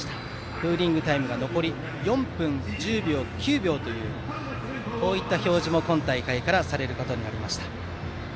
クーリングタイムが残り４分という残り時間の表示も今大会からされるようになりました。